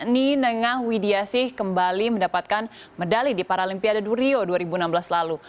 ni nengah widiasih kembali mendapatkan medali di paralimpiade durio dua ribu enam belas lalu